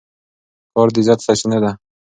کار د عزت سرچینه ده.